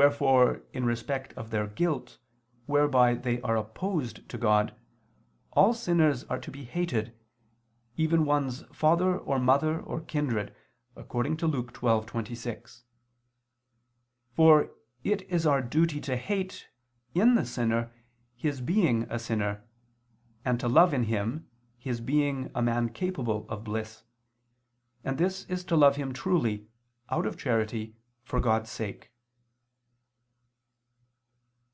Wherefore, in respect of their guilt whereby they are opposed to God, all sinners are to be hated, even one's father or mother or kindred, according to Luke 12:26. For it is our duty to hate, in the sinner, his being a sinner, and to love in him, his being a man capable of bliss; and this is to love him truly, out of charity, for God's sake.